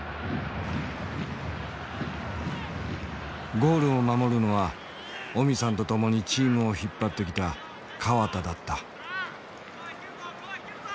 ゴールを守るのはオミさんと共にチームを引っ張ってきた河田だった。